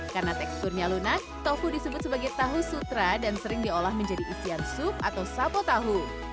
karena teksturnya lunak tofu disebut sebagai tahu sutra dan sering diolah menjadi isian sup atau sapo tahu